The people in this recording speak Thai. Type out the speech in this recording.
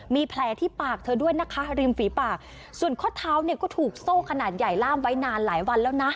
มีแผลที่ปากเธอด้วยนะคะริมฝีปากส่วนข้อเท้าเนี่ยก็ถูกโซ่ขนาดใหญ่ล่ามไว้นานหลายวันแล้วนะ